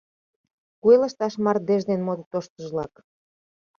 Куэ лышташ мардеж ден модо тоштыжлак.